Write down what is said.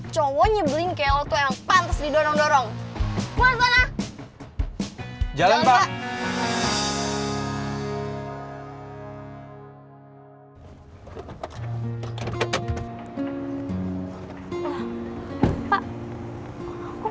cowoknya blingkeot yang pantas didorong dorong jalan jalan